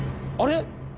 あれ？